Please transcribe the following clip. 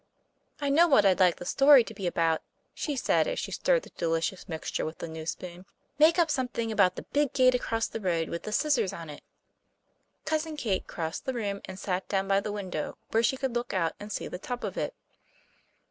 "I know what I'd like the story to be about," she said, as she stirred the delicious mixture with the new spoon. "Make up something about the big gate across the road, with the scissors on it." Cousin Kate crossed the room, and sat down by the window, where she could look out and see the top of it.